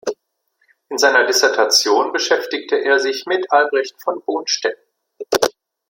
In seiner Dissertation beschäftigte er sich mit Albrecht von Bonstetten.